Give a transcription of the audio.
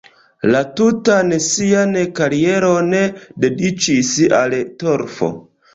La tutan sian karieron dediĉis al torfo.